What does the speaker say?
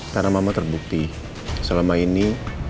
karena mama terbukti selama ini